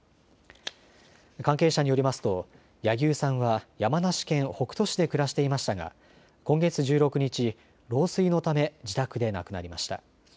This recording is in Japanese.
関係者によりますと柳生さんは山梨県北杜市で暮らしていましたが今月１６日、老衰のため自宅で亡くなりました。